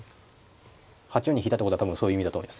８四に引いたってことは多分そういう意味だと思います。